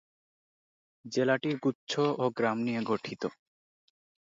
জেলাটি গুচ্ছ ও গ্রাম নিয়ে গঠিত।